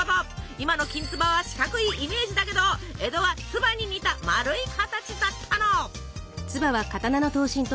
今のきんつばは四角いイメージだけど江戸は鍔に似た丸い形だったの。